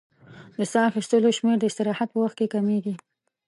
د سا اخیستلو شمېر د استراحت په وخت کې کمېږي.